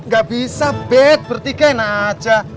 gak bisa beth bertiga in aja